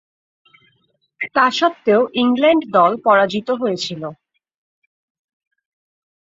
তাস্বত্ত্বেও England দল পরাজিত হয়েছিল।